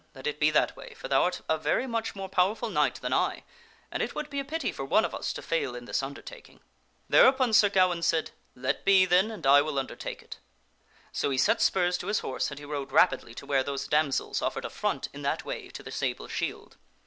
Let it be that way, for thou art a very much more powerful knight than I, and it would be a pity for one of us to fail in this undertaking." Thereupon Sir Ga waine said, " Let be, then, and I will undertake it." So he set spurs to his horse and he rode rapidly to where those damsels offered affront in that way to the sable shield.